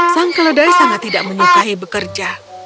sang keledai sangat tidak menyukai bekerja